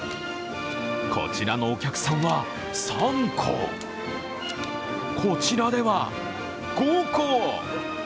こちらのお客さんは３個、こちらでは５個。